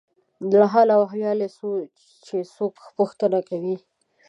له حال او احوال یې څو چې څوک پوښتنه کوي.